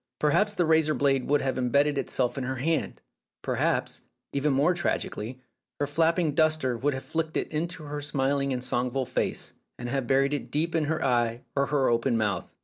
Perhaps the razor blade would have embedded itself in her hand ; perhaps, even more tragically, her flapping duster would have flicked it into her smiling and songful face, and have buried it deep in her eye or her open mouth.